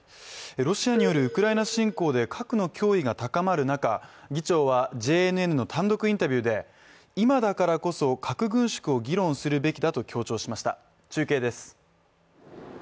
ロシアによるウクライナ侵攻で、核の脅威が高まる中議長はＪＮＮの単独インタビューで今だからこそ核軍縮を議論すべきだと強調しました。